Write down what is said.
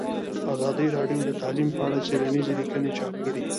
ازادي راډیو د تعلیم په اړه څېړنیزې لیکنې چاپ کړي.